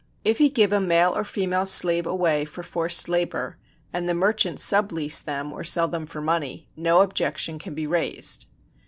If he give a male or female slave away for forced labor, and the merchant sublease them, or sell them for money, no objection can be raised.